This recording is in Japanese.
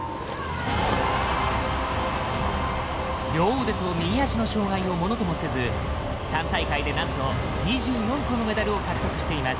両腕と右足の障がいをものともせず３大会でなんと２４個のメダルを獲得しています。